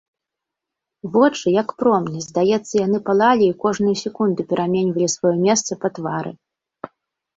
Вочы, як промні, здаецца яны палалі і кожную секунду пераменьвалі сваё месца па твары.